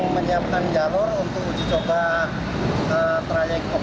menyiapkan jalur untuk uji coba trayek oko trip